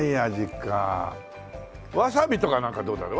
わさびとかなんかどうだろう？